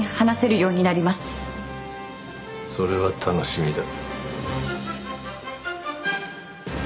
それは楽しみだ。